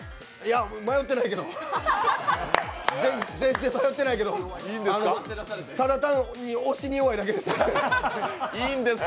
迷ってないけど、全然迷ってないけど、ただ単に押しに弱いだけです。